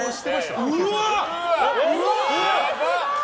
うわ！